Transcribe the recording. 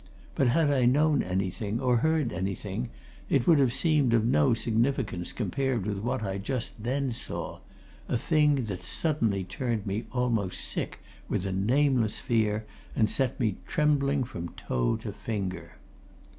But had I known anything, or heard anything, it would have seemed of no significance compared with what I just then saw a thing that suddenly turned me almost sick with a nameless fear and set me trembling from toe to finger.